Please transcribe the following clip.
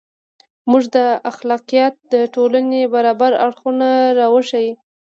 • زموږ اخلاقیات د ټولنې برابر اړخونه راوښيي.